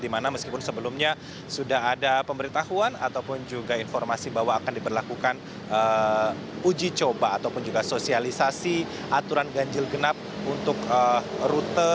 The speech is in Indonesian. dimana meskipun sebelumnya sudah ada pemberitahuan ataupun juga informasi bahwa akan diberlakukan uji coba ataupun juga sosialisasi aturan ganjil genap untuk rute